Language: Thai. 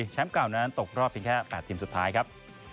เก่านั้นตกรอบเพียงแค่๘ทีมสุดท้ายครับ